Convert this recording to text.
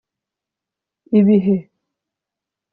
ibihe